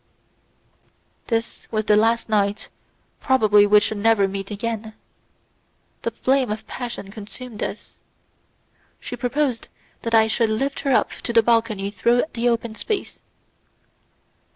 This was the last night; probably we should never meet again. The flame of passion consumed us. She proposed that I should lift her up to the balcony through the open space.